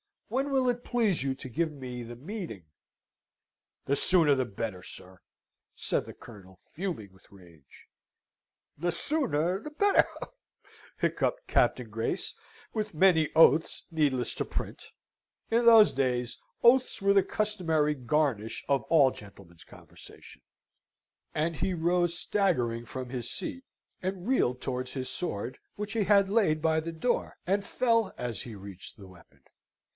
When will it please you to give me the meeting?" "The sooner the better, sir!" said the Colonel, fuming with rage. "The sooner the better," hiccupped Captain Grace, with many oaths needless to print (in those days, oaths were the customary garnish of all gentlemen's conversation) and he rose staggering from his seat, and reeled towards his sword, which he had laid by the door, and fell as he reached the weapon.